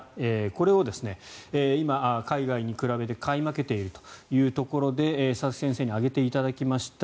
これを今、海外に比べて買い負けているというところで佐々木先生に挙げていただきました。